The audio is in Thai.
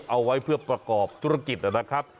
เอาไว้เพื่อประกอบธุรกิจนะครับ